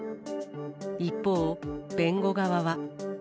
一方、弁護側は。